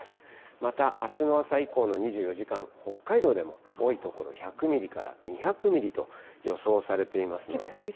またあすの朝以降の２４時間、北海道でも多い所１００ミリから２００ミリと予想されていますので。